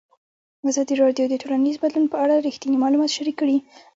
ازادي راډیو د ټولنیز بدلون په اړه رښتیني معلومات شریک کړي.